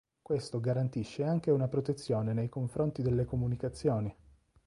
Questo garantisce anche una protezione nei confronti delle comunicazioni.